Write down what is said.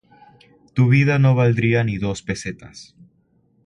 Tu vida no valdría ni dos pesetas".